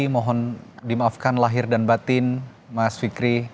mohon dimaafkan lahir dan batin mas fikri